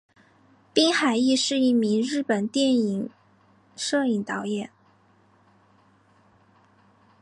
滨田毅是一名日本电影摄影导演。